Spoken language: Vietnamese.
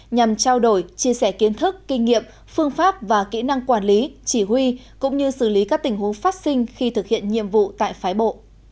nhằm trao đổi chia sẻ kiến thức kinh nghiệm phương pháp và kỹ năng quản lý chỉ huy cũng như xử lý các tình huống phát sinh khi thực hiện nhiệm vụ tại phái bộ